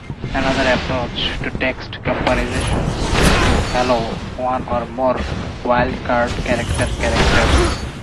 Another approach to text comparisons is to allow one or more wildcard character characters.